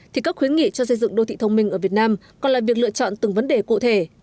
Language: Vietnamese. thì các khuyến nghị cho xây dựng đô thị thông minh ở việt nam còn là việc lựa chọn từng vấn đề cụ thể